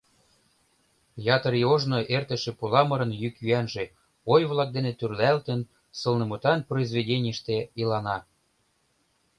Ятыр ий ожно эртыше пуламырын йӱк-йӱанже, ой-влак дене тӱрлалтын, сылнымутан произведенийыште илана.